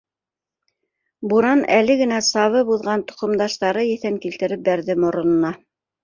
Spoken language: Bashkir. Буран әле генә сабып уҙған тоҡомдаштары еҫен килтереп бәрҙе моронона.